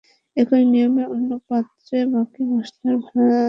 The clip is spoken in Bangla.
একই নিয়মে অন্য পাত্রে বাকি মসলায় ভাজা সবজিগুলো রান্না করে নিন।